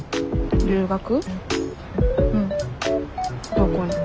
どこに？